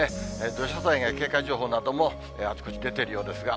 土砂災害警戒情報などもあちこち出ているようですが。